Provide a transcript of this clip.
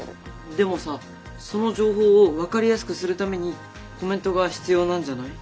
でもさその情報を分かりやすくするためにコメントが必要なんじゃない？